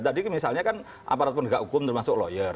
tadi misalnya kan aparat penegak hukum termasuk lawyer